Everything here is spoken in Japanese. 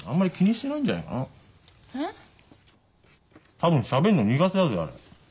多分しゃべるの苦手だぜあれ。